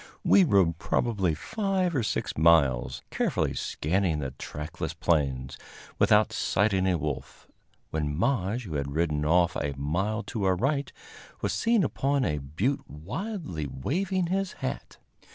We rode probably five or six miles, carefully scanning the trackless plains, without sighting a wolf, when Maje, who had ridden off a mile to our right, was seen upon a butte wildly waving his hat.